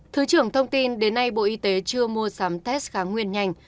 thứ trưởng thông tin đến nay bộ y tế chưa mua sắm test kháng nguyên nhanh